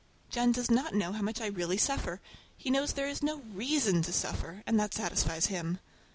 John does not know how much I really suffer. He knows there is no reason to suffer, and that satisfies him.